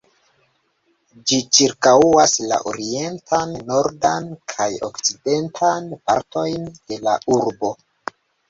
Ĝi ĉirkaŭas la orientan, nordan, kaj okcidentan partojn de la urbo.